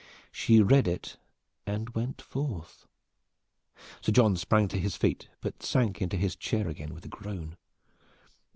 She read it and went forth." Sir John sprang to his feet, but sank into his chair again with a groan.